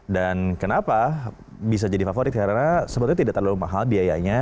dan kenapa bisa jadi favorit karena sebetulnya tidak terlalu mahal biayanya